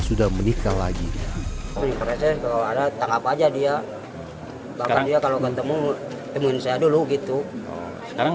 sudah menikah lagi proses kalau ada tangkap aja dia bahkan dia kalau ketemu temuin saya dulu gitu sekarang